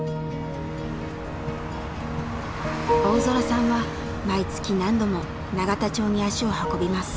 大空さんは毎月何度も永田町に足を運びます。